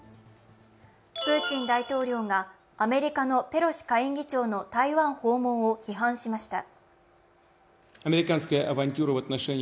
プーチン大統領がアメリカのペロシ下院議長の台湾訪問を批判しました。